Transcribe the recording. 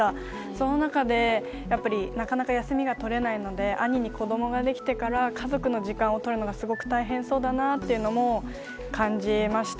その中でなかなか休みが取れないので兄に子供ができてから家族の時間をとるのがすごく大変そうだなというのも感じました。